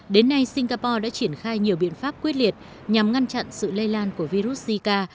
đến nay singapore đã triển khai nhiều biện pháp quyết liệt nhằm ngăn chặn sự lây lan của virus zika